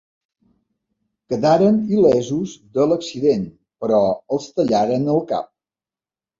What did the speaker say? Quedaren il·lesos de l'accident però els tallaren el cap.